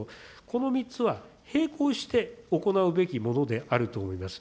この３つは並行して行うべきものであると思います。